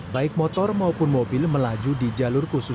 baik motor maupun mobil melaju di jalur khusus